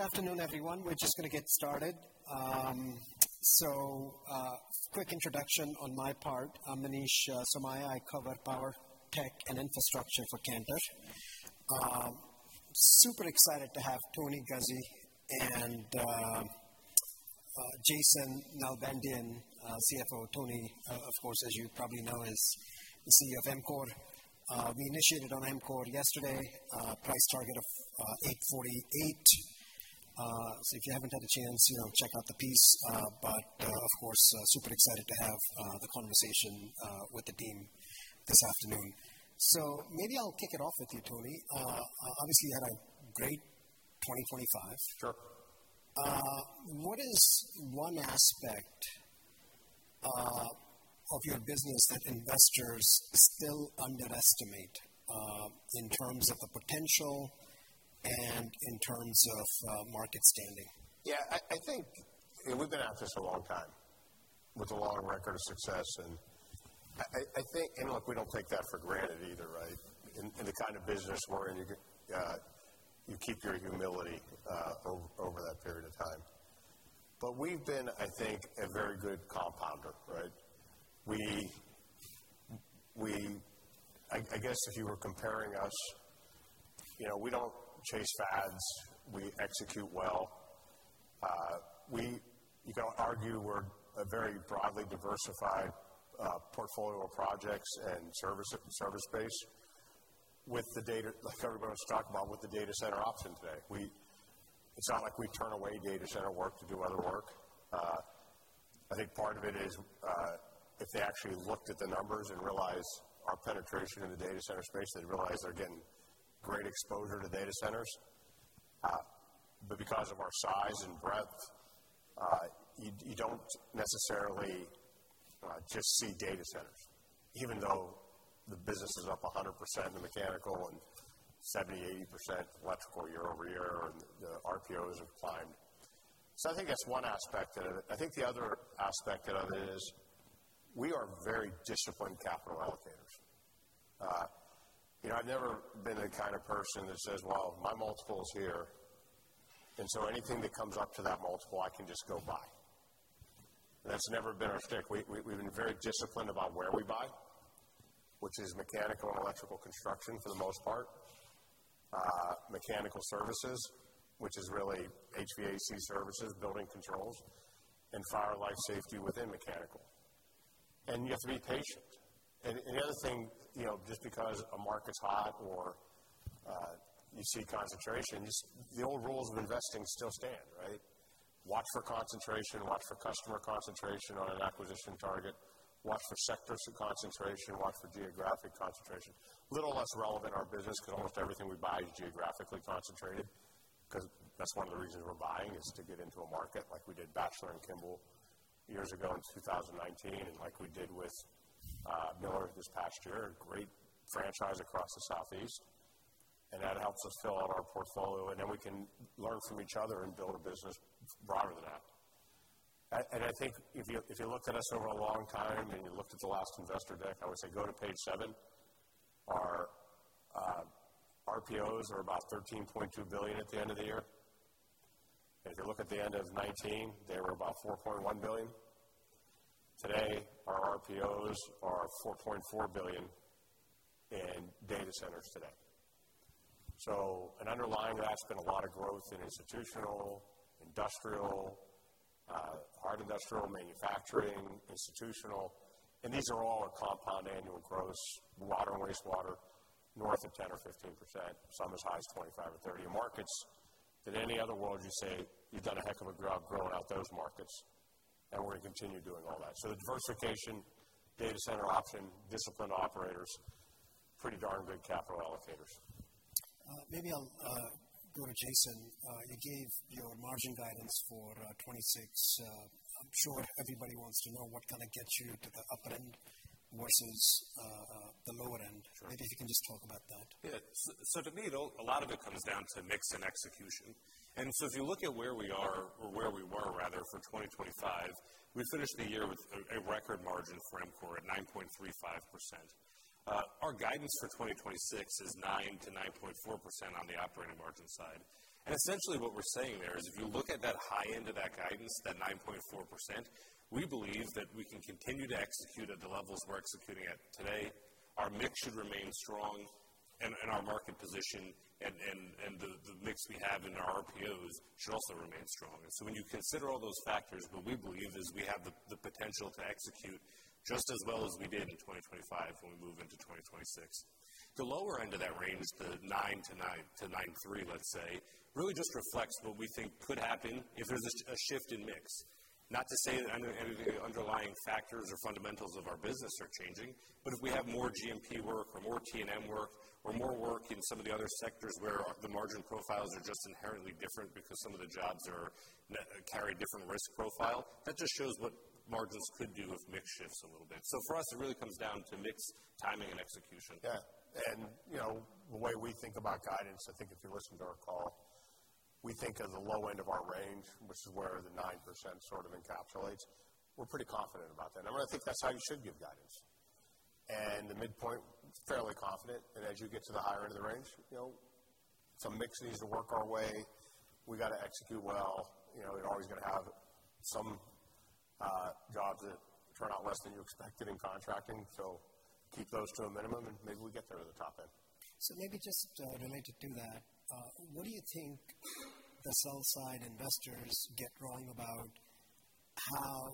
Good afternoon, everyone. We're just going to get started. Quick introduction on my part. I'm Manish Somaiya. I cover power, tech, and infrastructure for Cantor. Super excited to have Tony Guzzi and Jason Nalbandian, CFO. Tony, of course, as you probably know, is the CEO of EMCOR. We initiated on EMCOR yesterday, price target of $848. If you haven't had a chance check out the piece. Of course, super excited to have the conversation with the team this afternoon. Maybe I'll kick it off with you, Tony. Obviously, you had a great 2025. Sure. What is one aspect of your business that investors still underestimate in terms of the potential and in terms of market standing? Yeah, I think we've been at this a long time with a long record of success, and I think. Look, we don't take that for granted either, right? In the kind of business we're in, you keep your humility over that period of time. But we've been, I think, a very good compounder, right? I guess if you were comparing us we don't chase fads. We execute well. You can argue we're a very broadly diversified portfolio of projects and service-based with the data, like everyone's talking about with the data center option today. It's not like we turn away data center work to do other work. I think part of it is, if they actually looked at the numbers and realize our penetration in the data center space, they'd realize they're getting great exposure to data centers. Because of our size and breadth, you don't necessarily just see data centers, even though the business is up 100% in mechanical and 70%-80% electrical year-over-year, and the RPOs have climbed. I think that's one aspect of it. I think the other aspect of it is we are very disciplined capital allocators. I've never been the kind of person that says, "Well, my multiple is here, and so anything that comes up to that multiple, I can just go buy." That's never been our shtick. We've been very disciplined about where we buy, which is mechanical and electrical construction for the most part. Mechanical services, which is really HVAC services, building controls, and fire life safety within mechanical. You have to be patient. The other thing just because a market's hot or you see concentration, just the old rules of investing still stand, right? Watch for concentration. Watch for customer concentration on an acquisition target. Watch for sectors of concentration. Watch for geographic concentration. A little less relevant in our business because almost everything we buy is geographically concentrated because that's one of the reasons we're buying is to get into a market like we did Batchelor & Kimball years ago in 2019, and like we did with Miller this past year, a great franchise across the southeast. That helps us fill out our portfolio, and then we can learn from each other and build a business broader than that. I think if you looked at us over a long time and you looked at the last investor deck, I would say go to page seven. Our RPOs are about $13.2 billion at the end of the year. If you look at the end of 2019, they were about $4.1 billion. Today, our RPOs are $4.4 billion in data centers today. Underlying that's been a lot of growth in institutional, industrial, hard industrial, manufacturing, institutional, and these are all our compound annual growth rates for water and wastewater north of 10% or 15%, some as high as 25% or 30%. In markets, in any other world, you say you've done a heck of a job growing out those markets, and we're going to continue doing all that. Diversification, data center option, disciplined operators, pretty darn good capital allocators. Maybe I'll go to Jason. You gave your margin guidance for 2026. I'm sure everybody wants to know what kind of gets you to the upper end versus the lower end. Sure. Maybe if you can just talk about that. Yeah. To me, it all comes down to mix and execution. If you look at where we are or where we were rather for 2025, we finished the year with a record margin for EMCOR at 9.35%. Our guidance for 2026 is 9%-9.4% on the operating margin side. Essentially what we're saying there is if you look at that high end of that guidance, that 9.4%, we believe that we can continue to execute at the levels we're executing at today. Our mix should remain strong and our market position and the mix we have in our RPOs should also remain strong. When you consider all those factors, what we believe is we have the potential to execute just as well as we did in 2025 when we move into 2026. The lower end of that range, the 9%-9.3%, let's say, really just reflects what we think could happen if there's a shift in mix. Not to say that any of the underlying factors or fundamentals of our business are changing, but if we have more GMP work or more T&M work or more work in some of the other sectors where the margin profiles are just inherently different because some of the jobs carry different risk profile, that just shows what margins could do if mix shifts a little bit. For us, it really comes down to mix, timing, and execution. Yeah. the way we think about guidance, I think if you listen to our call, we think of the low end of our range, which is where the 9% sort of encapsulates. We're pretty confident about that, and I think that's how you should give guidance. The midpoint, fairly confident. As you get to the higher end of the range some mix needs to work our way. We got to execute well. you're always going to have some jobs that turn out less than you expected in contracting. Keep those to a minimum, and maybe we'll get there at the top end. Maybe just related to that, what do you think the sell-side investors get wrong about how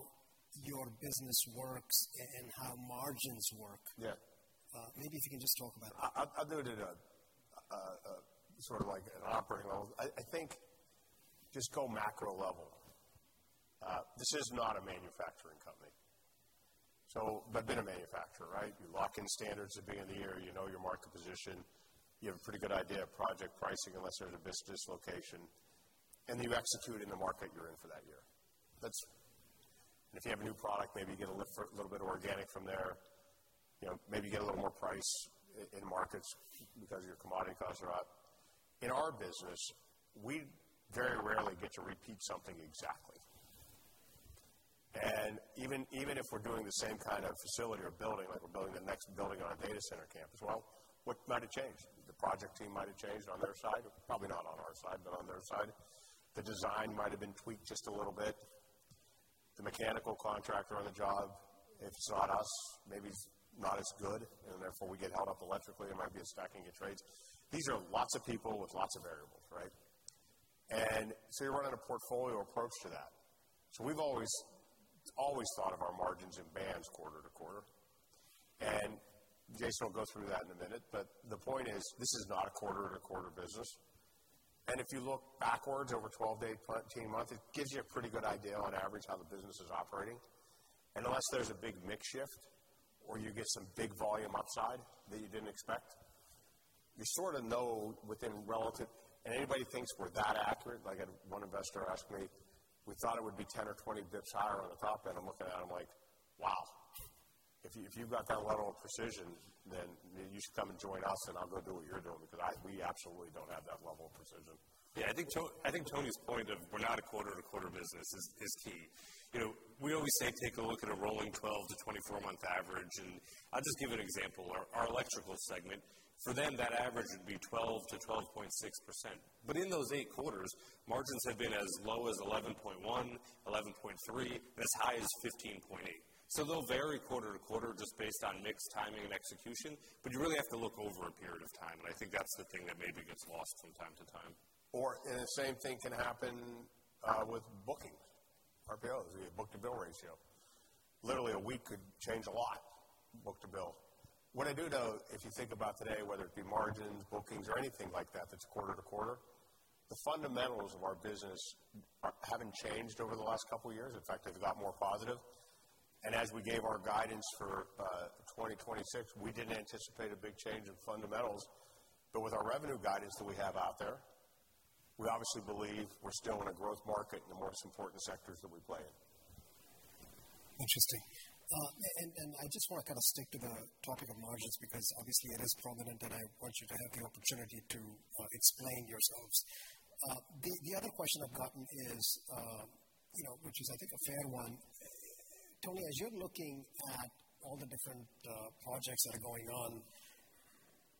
your business works and how margins work? Yeah. Maybe if you can just talk about it. I'll do it at a sort of like an operating level. I think just go macro level. This is not a manufacturing company, so but been a manufacturer, right? You lock in standards at the beginning of the year. You know your market position. You have a pretty good idea of project pricing unless there's a business dislocation, and you execute in the market you're in for that year. That's. If you have a new product, maybe you get a little bit of organic from there. maybe you get a little more price in markets because your commodity costs are up. In our business, we very rarely get to repeat something exactly. Even if we're doing the same kind of facility or building, like we're building the next building on our data center campus, well, what might have changed? The project team might have changed on their side, probably not on our side, but on their side. The design might have been tweaked just a little bit. The mechanical contractor on the job, if it's not us, maybe it's not as good, and therefore we get held up electrically. There might be a stacking of trades. These are lots of people with lots of variables, right? You run with a portfolio approach to that. We've always thought of our margins in bands quarter to quarter. Jason will go through that in a minute. The point is, this is not a quarter-to-quarter business. If you look backwards over 12-18 months, it gives you a pretty good idea on average how the business is operating. Unless there's a big mix shift or you get some big volume upside that you didn't expect, you sort of know within relative. Anybody thinks we're that accurate, like I had one investor ask me, we thought it would be 10 or 20 basis points higher on the top end. I'm looking at him like, "Wow, if you've got that level of precision, then you should come and join us, and I'll go do what you're doing, because we absolutely don't have that level of precision. Yeah, I think Tony's point of we're not a quarter-to-quarter business is key. we always say take a look at a rolling 12- to 24-month average. I'll just give an example. Our electrical segment, for them, that average would be 12%-12.6%. In those 8 quarters, margins have been as low as 11.1%, 11.3%, and as high as 15.8%. They'll vary quarter to quarter just based on mix, timing, and execution. You really have to look over a period of time, and I think that's the thing that maybe gets lost from time to time. The same thing can happen with bookings. Our book-to-bill ratio. Literally, a week could change a lot, book-to-bill. What I do know, if you think about today, whether it be margins, bookings or anything like that's quarter to quarter, the fundamentals of our business haven't changed over the last couple of years. In fact, they've got more positive. As we gave our guidance for 2026, we didn't anticipate a big change in fundamentals. With our revenue guidance that we have out there, we obviously believe we're still in a growth market in the most important sectors that we play in. Interesting. I just want to kind of stick to the topic of margins, because obviously it is prominent, and I want you to have the opportunity to explain yourselves. The other question I've gotten is which is I think a fair one. Tony, as you're looking at all the different projects that are going on,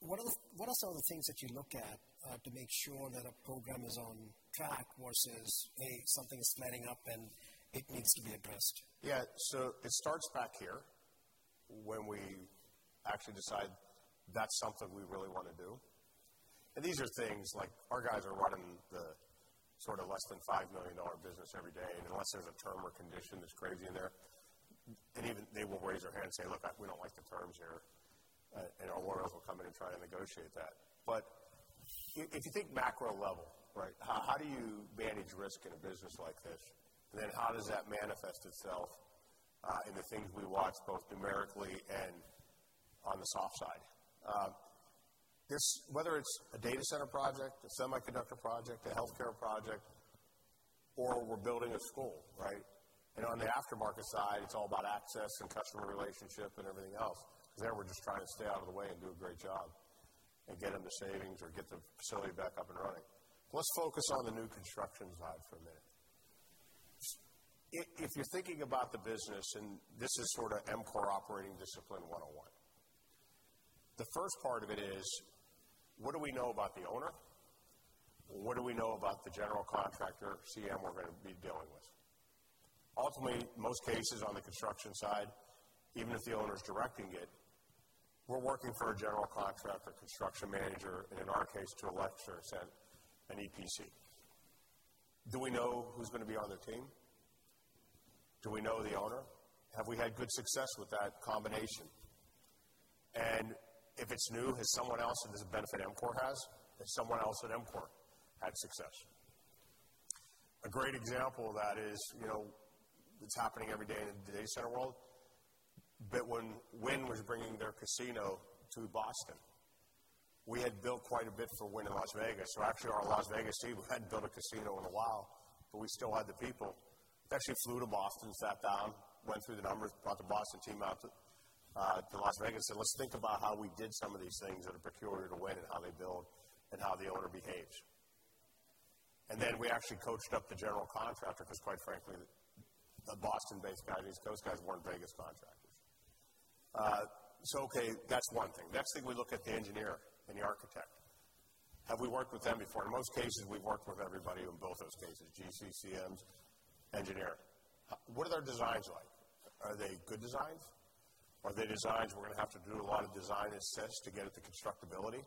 what are some of the things that you look at to make sure that a program is on track versus a something is letting up and it needs to be addressed? It starts back here when we actually decide that's something we really want to do. These are things like our guys are running the sort of less than $5 million business every day. Unless there's a term or condition that's crazy in there, even they will raise their hand and say, "Look, we don't like the terms here," and our lawyers will come in and try to negotiate that. If you think macro level, right? How do you manage risk in a business like this? How does that manifest itself in the things we watch both numerically and on the soft side? This, whether it's a data center project, a semiconductor project, a healthcare project, or we're building a school, right? On the aftermarket side, it's all about access and customer relationship and everything else, because there we're just trying to stay out of the way and do a great job and get them the savings or get the facility back up and running. Let's focus on the new construction side for a minute. If you're thinking about the business, and this is sort of EMCOR Operating Discipline 101, the first part of it is. What do we know about the owner? What do we know about the general contractor, CM, we're going to be dealing with? Ultimately, most cases on the construction side, even if the owner is directing it, we're working for a general contractor, construction manager, and in our case, to a lesser extent, an EPC. Do we know who's going to be on their team? Do we know the owner? Have we had good success with that combination? If it's new, has someone else in the business EMCOR has? Has someone else at EMCOR had success? A great example of that is it's happening every day in the data center world, but when Wynn was bringing their casino to Boston, we had built quite a bit for Wynn in Las Vegas. Actually, our Las Vegas team hadn't built a casino in a while, but we still had the people. We actually flew to Boston, sat down, went through the numbers, brought the Boston team out to Las Vegas, said, "Let's think about how we did some of these things that are peculiar to Wynn and how they build and how the owner behaves." Then we actually coached up the general contractor because quite frankly, a Boston-based guy, these East Coast guys weren't Vegas contractors. Okay, that's one thing. Next thing we look at the engineer and the architect. Have we worked with them before? In most cases, we've worked with everybody in both those cases, GCCMs, engineer. What are their designs like? Are they good designs? Are they designs we're going to have to do a lot of design assists to get at the constructability?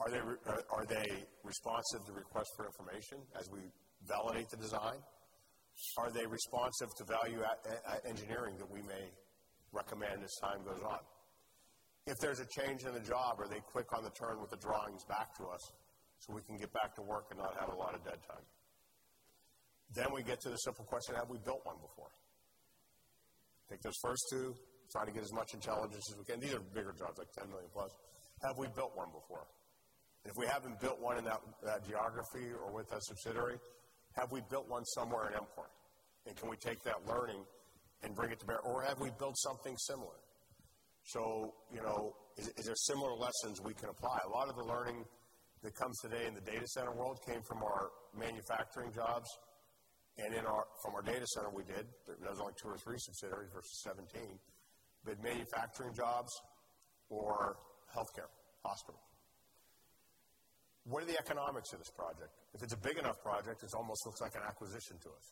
Are they responsive to requests for information as we validate the design? Are they responsive to value engineering that we may recommend as time goes on? If there's a change in the job, are they quick on the turn with the drawings back to us so we can get back to work and not have a lot of dead time? We get to the simple question, have we built one before? Take those first two, try to get as much intelligence as we can. These are bigger jobs, like $10 million plus. Have we built one before? If we haven't built one in that geography or with that subsidiary, have we built one somewhere at EMCOR? Can we take that learning and bring it to bear? Have we built something similar? is there similar lessons we can apply? A lot of the learning that comes today in the data center world came from our manufacturing jobs and from our data center we did. There's only 2 or 3 subsidiaries versus 17. Manufacturing jobs or healthcare, hospital. What are the economics of this project? If it's a big enough project, it almost looks like an acquisition to us.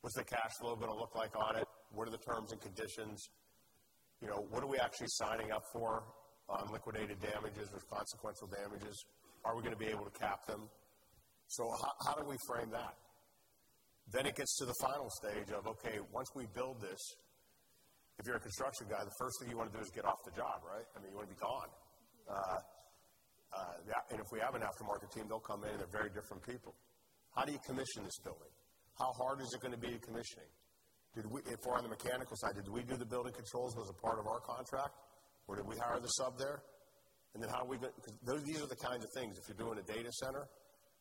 What's the cash flow going to look like on it? What are the terms and conditions? what are we actually signing up for on liquidated damages with consequential damages? Are we going to be able to cap them? How do we frame that? It gets to the final stage of, okay, once we build this, if you're a construction guy, the first thing you want to do is get off the job, right? I mean, you want to be gone. If we have an aftermarket team, they'll come in, and they're very different people. How do you commission this building? How hard is it going to be commissioning? If we're on the mechanical side, did we do the building controls as a part of our contract, or did we hire the sub there? How are we 'cause these are the kinds of things. If you're doing a data center,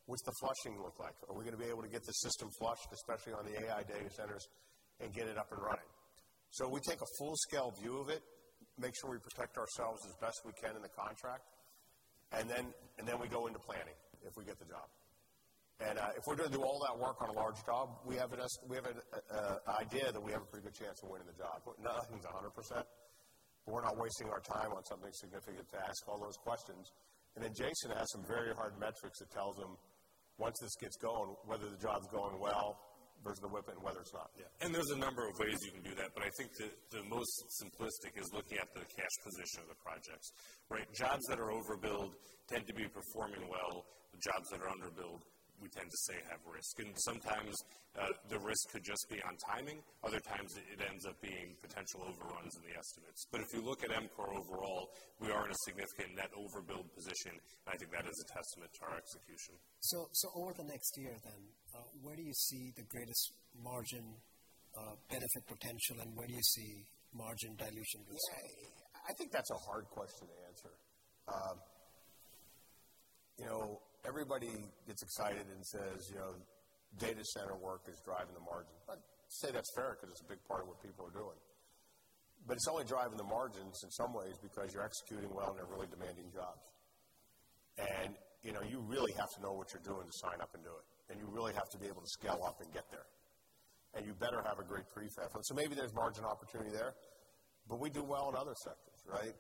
what's the flushing look like? Are we going to be able to get the system flushed, especially on the AI data centers, and get it up and running? We take a full-scale view of it, make sure we protect ourselves as best we can in the contract, and then we go into planning if we get the job. If we're going to do all that work on a large job, we have an idea that we have a pretty good chance of winning the job. Nothing's 100%. We're not wasting our time on something significant to ask all those questions. Jason has some very hard metrics that tells him once this gets going, whether the job's going well versus the WIP and whether it's not. Yeah. There's a number of ways you can do that. I think the most simplistic is looking at the cash position of the projects, right? Jobs that are overbilled tend to be performing well. The jobs that are underbilled, we tend to say have risk. Sometimes, the risk could just be on timing. Other times it ends up being potential overruns in the estimates. If you look at EMCOR overall, we are in a significant net overbilled position, and I think that is a testament to our execution. Over the next year then, where do you see the greatest margin benefit potential, and where do you see margin dilution risk? Yeah. I think that's a hard question to answer. everybody gets excited and says data center work is driving the margin. I'd say that's fair because it's a big part of what people are doing. It's only driving the margins in some ways because you're executing well in a really demanding job. you really have to know what you're doing to sign up and do it, and you really have to be able to scale up and get there. You better have a great prefab. Maybe there's margin opportunity there, but we do well in other sectors, right?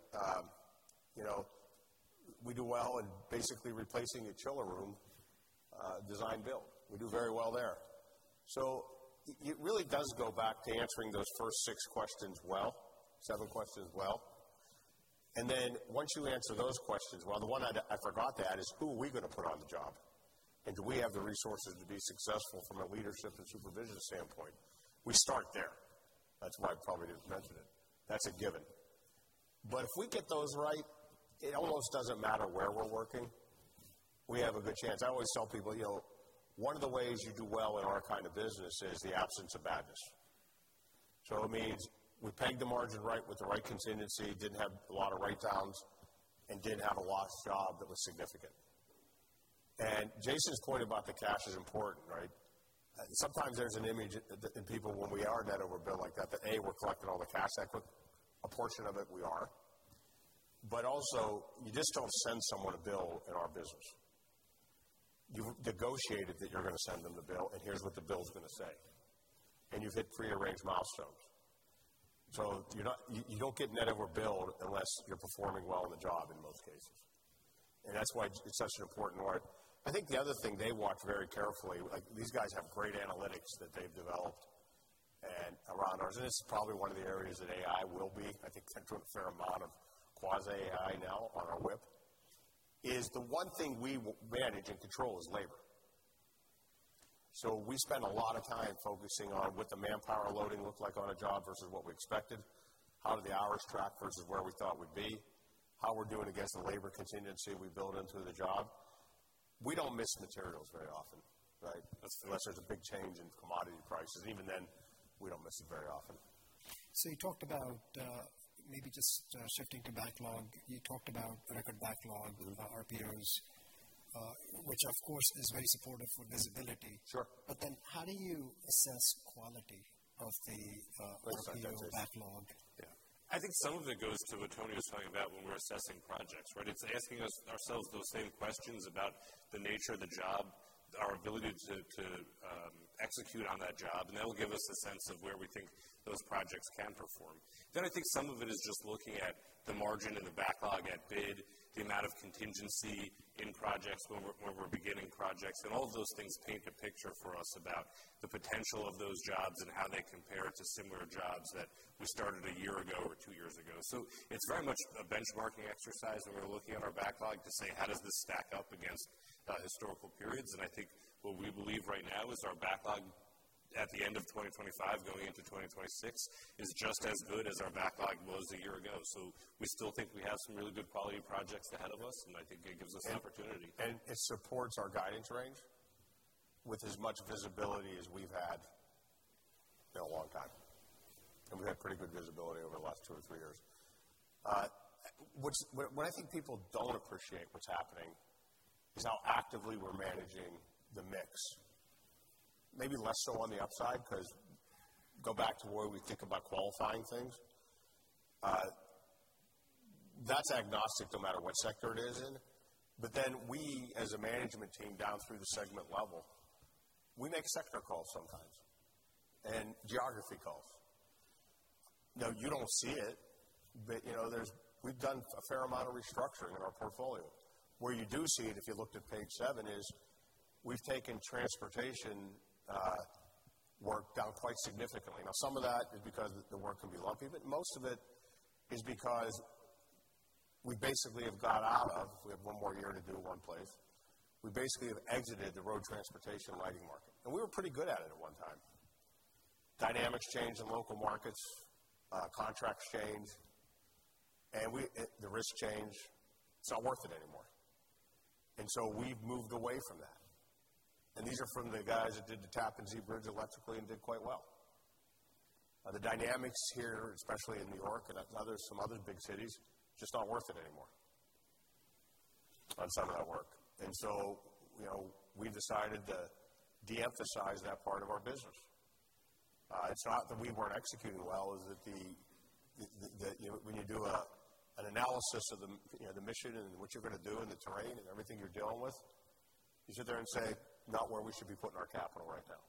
we do well in basically replacing a chiller room, design-build. We do very well there. It really does go back to answering those first six questions well, seven questions well. Once you answer those questions well, the one I forgot to add is, who are we going to put on the job? Do we have the resources to be successful from a leadership and supervision standpoint? We start there. That's why I probably didn't mention it. That's a given. If we get those right, it almost doesn't matter where we're working. We have a good chance. I always tell people one of the ways you do well in our kind of business is the absence of bad news. It means we pegged the margin right with the right contingency, didn't have a lot of writedowns, and didn't have a lost job that was significant. Jason's point about the cash is important, right? Sometimes there's an image in people when we are net overbilled like that a, we're collecting all the cash. A portion of it, we are. Also, you just don't send someone a bill in our business. You negotiated that you're going to send them the bill, and here's what the bill is going to say. You've hit prearranged milestones. You're not you don't get net overbilled unless you're performing well on the job in most cases. That's why it's such an important word. I think the other thing they watch very carefully, like these guys have great analytics that they've developed and around ours, and this is probably one of the areas that AI will be. I think a fair amount of quasi AI now on our WIP. The one thing we manage and control is labor. We spend a lot of time focusing on what the manpower loading look like on a job versus what we expected, how do the hours track versus where we thought we'd be, how we're doing against the labor contingency we build into the job. We don't miss materials very often, right? Unless there's a big change in commodity prices, even then, we don't miss it very often. You talked about maybe just shifting to backlog. You talked about record backlog, RPOs, which of course is very supportive for visibility. Sure. How do you assess quality of the? That's what I was going to say. RPO backlog? Yeah. I think some of it goes to what Tony was talking about when we're assessing projects, right? It's asking ourselves those same questions about the nature of the job, our ability to execute on that job, and that will give us a sense of where we think those projects can perform. I think some of it is just looking at the margin and the backlog at bid, the amount of contingency in projects when we're beginning projects, and all of those things paint a picture for us about the potential of those jobs and how they compare to similar jobs that we started a year ago or two years ago. It's very much a benchmarking exercise when we're looking at our backlog to say, how does this stack up against historical periods? I think what we believe right now is our backlog at the end of 2025 going into 2026 is just as good as our backlog was a year ago. We still think we have some really good quality projects ahead of us, and I think it gives us opportunity. It supports our guidance range with as much visibility as we've had in a long time, and we've had pretty good visibility over the last two or three years. What I think people don't appreciate what's happening is how actively we're managing the mix. Maybe less so on the upside, 'cause go back to where we think about qualifying things. That's agnostic no matter what sector it is in. Then we as a management team, down through the segment level, we make sector calls sometimes and geography calls. Now, you don't see it, but we've done a fair amount of restructuring in our portfolio. Where you do see it, if you looked at page seven, is we've taken transportation work down quite significantly. Now, some of that is because the work can be lumpy, but most of it is because we have one more year to do one place. We basically have exited the road transportation lighting market, and we were pretty good at it at one time. Dynamics change in local markets, contracts changed, and the risks change. It's not worth it anymore, and so we've moved away from that. These are from the guys that did the Tappan Zee Bridge electrically and did quite well. The dynamics here, especially in New York and some other big cities, just not worth it anymore on some of that work. we decided to de-emphasize that part of our business. It's not that we weren't executing well; it's that when you do an analysis of you know the mission and what you're going to do and the terrain and everything you're dealing with, you sit there and say, "Not where we should be putting our capital right now."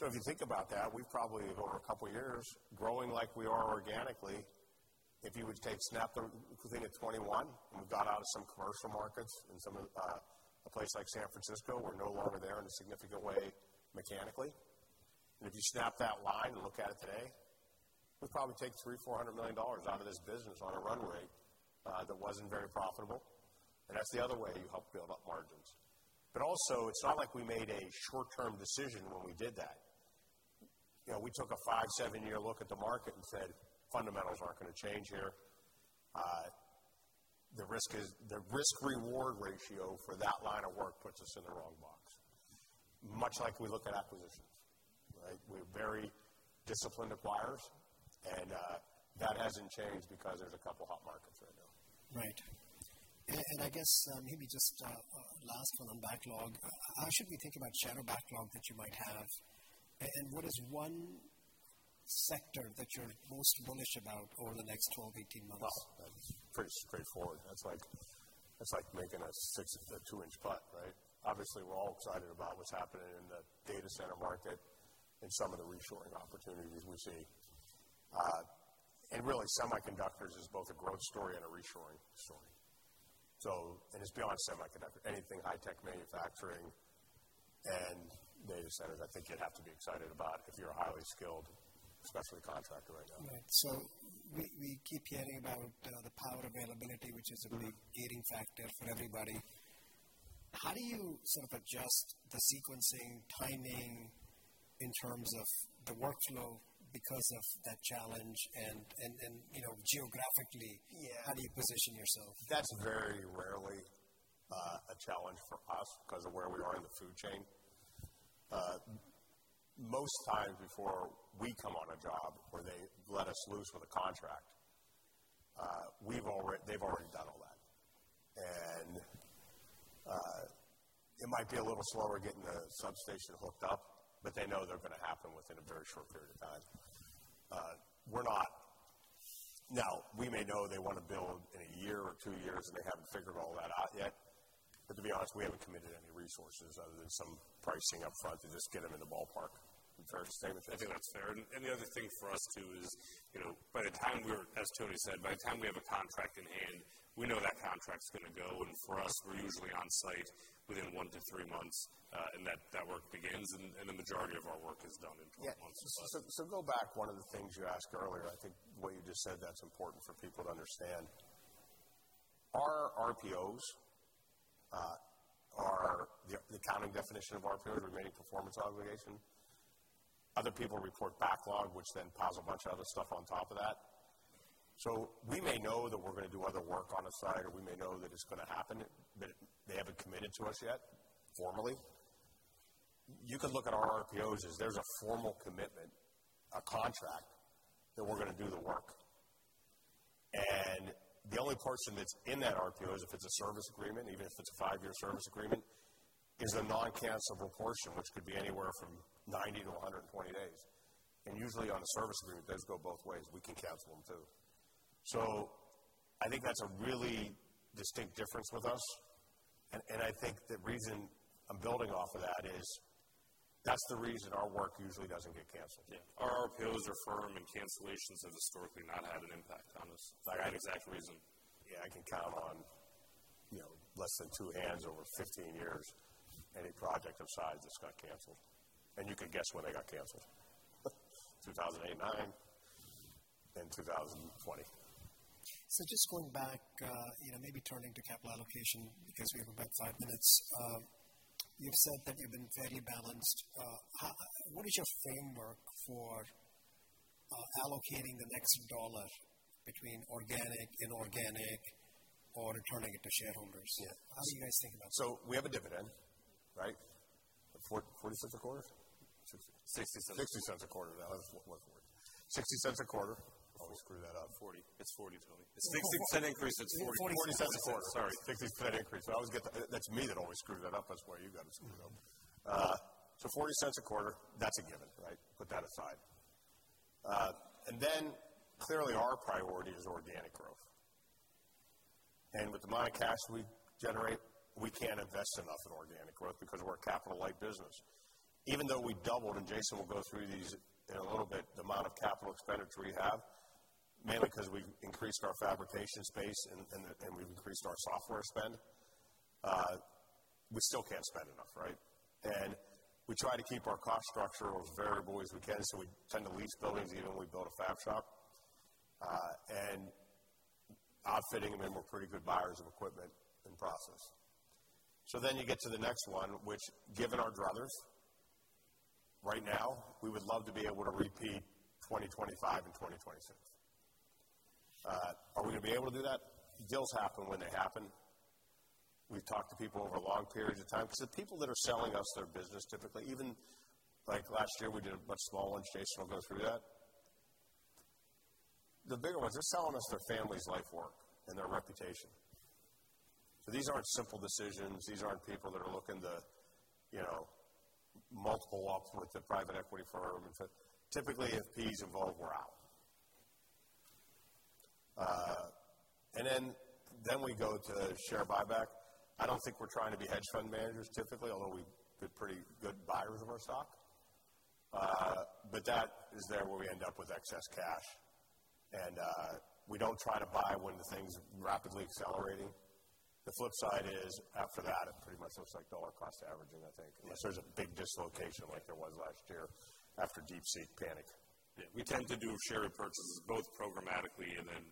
If you think about that, we probably over a couple years, growing like we are organically, if you would snap the thing at 2021, and we got out of some commercial markets in some of a place like San Francisco. We're no longer there in a significant way mechanically. If you snap that line and look at it today, we've probably taken $300 million-$400 million out of this business on a run rate that wasn't very profitable. That's the other way you help build up margins. Also, it's not like we made a short-term decision when we did that. we took a 5-7-year look at the market and said, "Fundamentals aren't going to change here. The risk-reward ratio for that line of work puts us in the wrong box." Much like we look at acquisitions, right? We're very disciplined acquirers, and that hasn't changed because there's a couple hot markets right now. Right. I guess, maybe just, last one on backlog. How should we think about shadow backlog that you might have, and what is one sector that you're most bullish about over the next 12-18 months? Oh, that's pretty straightforward. That's like making a two-inch putt, right? Obviously, we're all excited about what's happening in the data center market and some of the reshoring opportunities we see. And really, semiconductors is both a growth story and a reshoring story. And it's beyond semiconductor. Anything high tech manufacturing and data centers, I think you'd have to be excited about if you're a highly skilled specialty contractor right now. Right. We keep hearing about the power availability, which is a big gating factor for everybody. How do you sort of adjust the sequencing, timing in terms of the workflow because of that challenge and geographically. Yeah. How do you position yourself? That's very rarely a challenge for us 'cause of where we are in the food chain. Most times before we come on a job where they let us loose with a contract, they've already done all that. It might be a little slower getting the substation hooked up, but they know they're going to happen within a very short period of time. Now, we may know they want to build in a year or two years, and they haven't figured all that out yet, but to be honest, we haven't committed any resources other than some pricing up front to just get them in the ballpark. Fair to say that? I think that's fair. The other thing for us, too, is by the time we're, as Tony said, by the time we have a contract in hand, we know that contract's going to go. For us, we're usually on site within 1-3 months, and that work begins. The majority of our work is done in 12 months plus. Go back, one of the things you asked earlier. I think what you just said, that's important for people to understand. Our RPOs are the accounting definition of RPO, remaining performance obligation. Other people report backlog, which then piles a bunch of other stuff on top of that. We may know that we're going to do other work on a site, or we may know that it's going to happen, but they haven't committed to us yet formally. You could look at our RPOs as there's a formal commitment, a contract, that we're going to do the work. The only person that's in that RPO is if it's a service agreement, even if it's a five-year service agreement is the noncancelable portion, which could be anywhere from 90 to 120 days. Usually on a service agreement, those go both ways. We can cancel them too. I think that's a really distinct difference with us. I think the reason I'm building off of that is that's the reason our work usually doesn't get canceled. Yeah. Our RPOs are firm, and cancellations have historically not had an impact on us. For that exact reason. Yeah, I can count on less than two hands over 15 years, any project of size that's got canceled. You can guess when they got canceled. 2008, 2009, and 2020. Just going back maybe turning to capital allocation, because we have about five minutes. You've said that you've been very balanced. What is your framework for allocating the next dollar between organic, inorganic, or returning it to shareholders? Yeah. How do you guys think about that? We have a dividend, right? $0.44 a quarter? $0.60. $0.60 a quarter. I always screw that up. $0.40. It's $0.40, Tony. It's $0.60 increase. It's $0.40 a quarter. Sorry. $0.60 increase. I always get the-- that's me that always screw that up. That's why you gotta screw up. Forty cents a quarter, that's a given, right? Put that aside. Clearly our priority is organic growth. With the amount of cash we generate, we can't invest enough in organic growth because we're a capital light business. Even though we doubled, and Jason will go through these in a little bit, the amount of capital expenditure we have, mainly 'cause we increased our fabrication space and we've increased our software spend. We still can't spend enough, right? We try to keep our cost structure as variable as we can, so we tend to lease buildings even when we build a fab shop. Outfitting them, we're pretty good buyers of equipment and process. You get to the next one, which given our druthers, right now, we would love to be able to repeat 2025 and 2026. Are we going to be able to do that? Deals happen when they happen. We've talked to people over long periods of time, 'cause the people that are selling us their business, typically, even like last year, we did a bunch of small ones. Jason Nalbandian will go through that. The bigger ones, they're selling us their family's life's work and their reputation. These aren't simple decisions. These aren't people that are looking to multiples with a private equity firm. Typically if PE's involved, we're out. Then we go to share buyback. I don't think we're trying to be hedge fund managers typically, although we've been pretty good buyers of our stock. That is there where we end up with excess cash. We don't try to buy when the thing's rapidly accelerating. The flip side is after that, it pretty much looks like dollar cost averaging, I think, unless there's a big dislocation like there was last year after DeepSeek panic. Yeah. We tend to do share purchases both programmatically and then.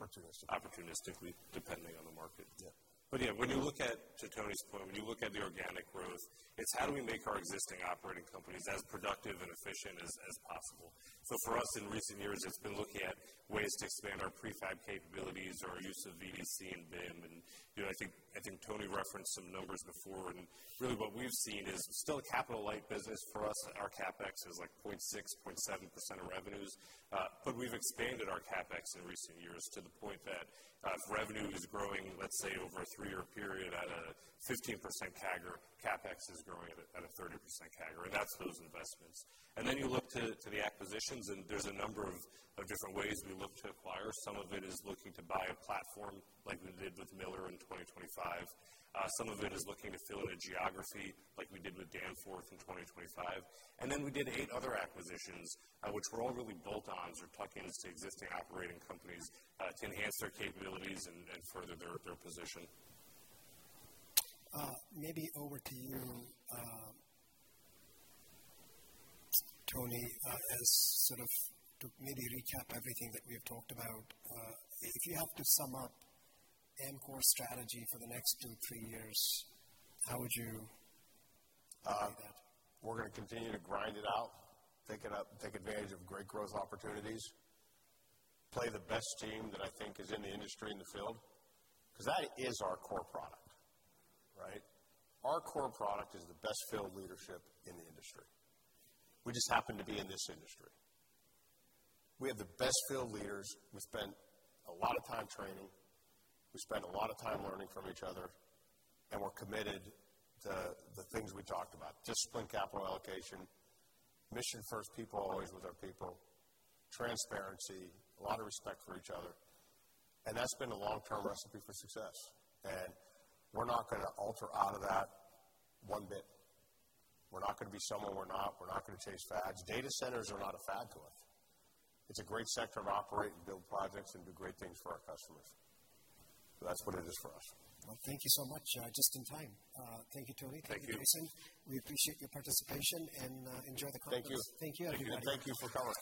Opportunistically. Opportunistically, depending on the market. Yeah. Yeah, to Tony's point, when you look at the organic growth, it's how do we make our existing operating companies as productive and efficient as possible. So for us, in recent years, it's been looking at ways to expand our prefab capabilities or our use of VDC and BIM, and I think Tony referenced some numbers before. And really what we've seen is it's still a capital light business for us. Our CapEx is like 0.6%-0.7% of revenues. But we've expanded our CapEx in recent years to the point that if revenue is growing, let's say, over a 3-year period at a 15% CAGR, CapEx is growing at a 30% CAGR, and that's those investments. You look to the acquisitions, and there's a number of different ways we look to acquire. Some of it is looking to buy a platform like we did with Miller in 2025. Some of it is looking to fill in a geography like we did with Danforth in 2025. We did eight other acquisitions, which were all really bolt-ons or plug-ins to existing operating companies, to enhance their capabilities and further their position. Maybe over to you, Tony, as sort of to maybe recap everything that we have talked about. If you have to sum up EMCOR strategy for the next 2-3 years, how would you do that? We're going to continue to grind it out, pick it up, take advantage of great growth opportunities. Play the best team that I think is in the industry in the field, 'cause that is our core product, right? Our core product is the best field leadership in the industry. We just happen to be in this industry. We have the best field leaders. We spend a lot of time training. We spend a lot of time learning from each other, and we're committed to the things we talked about, disciplined capital allocation, mission first, people always with our people, transparency, a lot of respect for each other. That's been a long-term recipe for success. We're not going to alter out of that one bit. We're not going to be someone we're not. We're not going to chase fads. Data centers are not a fad to us. It's a great sector to operate and build projects and do great things for our customers. That's what it is for us. Well, thank you so much. Just in time. Thank you, Tony. Thank you. Thank you, Jason. We appreciate your participation and enjoy the conference. Thank you. Thank you, everybody. Thank you for coming.